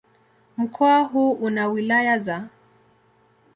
Mkoa huu una wilaya za